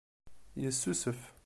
Yessusef.